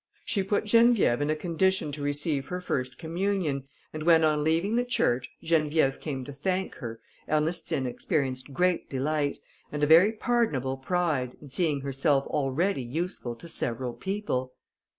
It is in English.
She put Geneviève in a condition to receive her first communion, and when on leaving the church, Geneviève came to thank her, Ernestine experienced great delight, and a very pardonable pride, in seeing herself already useful to several people.